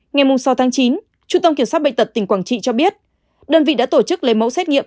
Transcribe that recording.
ngày sáu chín trung tâm kiểm soát bệnh tật tỉnh quảng trị cho biết đơn vị đã tổ chức lấy mẫu xét nghiệm